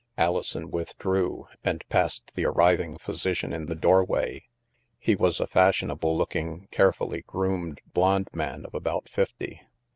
Alison withdrew, and passed the arriving physi cian in the doorway. He was a fashionable look ing, carefully groomed, blond man of about fifty.